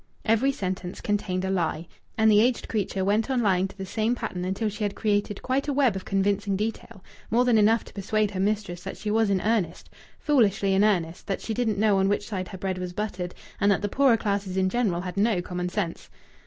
Every sentence contained a lie. And the aged creature went on lying to the same pattern until she had created quite a web of convincing detail more than enough to persuade her mistress that she was in earnest, foolishly in earnest, that she didn't know on which side her bread was buttered, and that the poorer classes in general had no common sense.